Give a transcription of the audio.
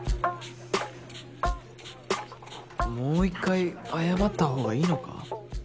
もう１回謝った方がいいのか？